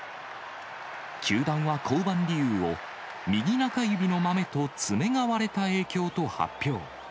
球団は降板理由を、右中指のまめと爪が割れた影響と発表。